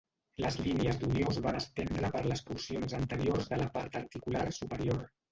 Les línies d'unió es van estendre per les porcions anteriors de la part articular superior.